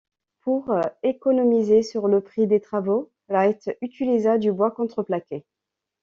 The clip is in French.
Pour économiser sur le prix des travaux, Wright utilisa du bois contreplaqué.